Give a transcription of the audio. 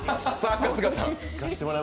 春日さん